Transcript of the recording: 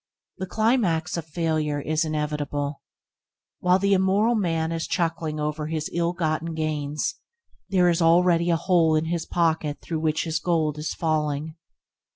The climax of failure is inevitable. While the immoral man is chuckling over his ill gotten gains, there is already a hole in his pocket through which his gold is falling.